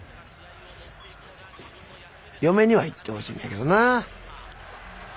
嫁には行ってほしいんやけどな。